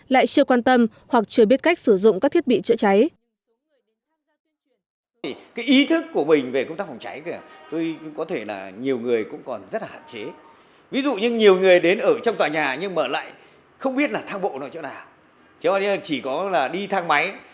lại chưa quan tâm hoặc chưa biết cách sử dụng các thiết bị chữa cháy